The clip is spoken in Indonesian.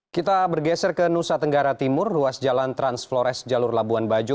kita bergeser ke nusa tenggara timur ruas jalan transflores jalur labuan bajo